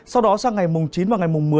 sau đó sang ngày mùng chín và ngày mùng một mươi